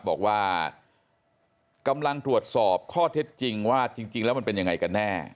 บอกว่ากำลังตรวจสอบข้อเท็จจริงว่าจริงแล้วมันเป็นยังไงกันแน่